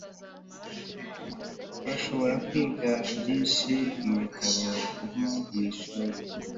urashobora kwiga byinshi mubitabo nko mwishuri